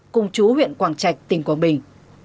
cùng chú huyện quảng trạch tỉnh quảng bình